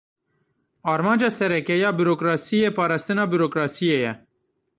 Armanca sereke ya burokrasiyê, parastina burokrasiyê ye.